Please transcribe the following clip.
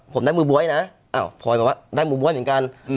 ผมได้มือบ๊วยนะพลอยบอกว่าได้มือบ๊วยเหมือนกัน